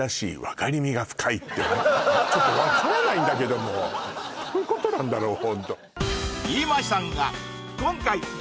ちょっとわからないんだけどもどういうことなんだろう？